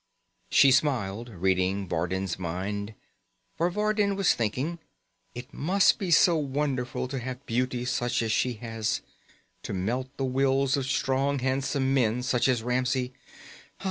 She smiled, reading Vardin's mind. For Vardin was thinking: it must be so wonderful to have beauty such as she has, to melt the wills of strong handsome men such as Ramsey.